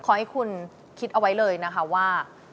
ขอให้คุณคิดเอาไว้เลยนะคะว่า